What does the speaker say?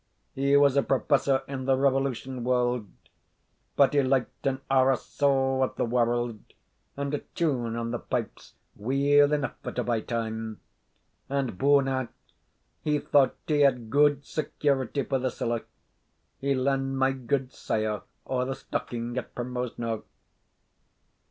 He was a professor in the Revolution warld, but he liked an orra sough of the warld, and a tune on the pipes weel aneugh at a by time; and, bune a', he thought he had gude security for the siller he len my gudesire ower the stocking at Primrose Knowe.